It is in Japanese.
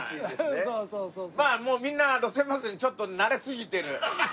まあもうみんな路線バスにちょっと慣れすぎてる。